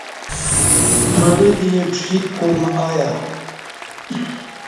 مڑہ دی پݜیک کوم اہ یہ